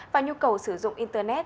và nhu cầu sử dụng internet